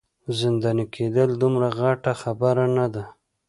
زنداني کیدل دومره غټه خبره نه ده.